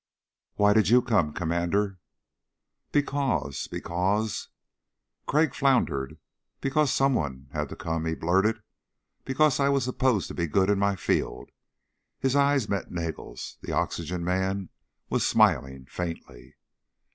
"Why did you come, Commander?" "Because ... because ..." Crag floundered. "Because someone had to come," he blurted. "Because I was supposed to be good in my field." His eyes met Nagel's. The oxygen man was smiling, faintly.